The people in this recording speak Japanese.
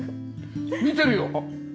見てるよ。